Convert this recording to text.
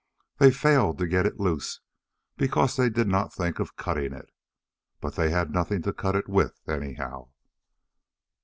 They failed to get it loose because they did not think of cutting it. But they had nothing to cut it with anyhow.